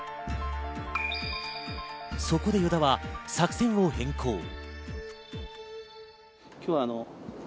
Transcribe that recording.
そこで依田は作戦を変更。